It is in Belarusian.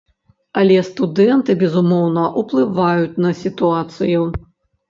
Але студэнты, безумоўна, уплываюць на сітуацыю.